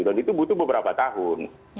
dan itu butuh beberapa tahun